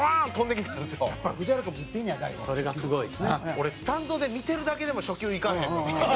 俺スタンドで見てるだけでも初球いかへんのに。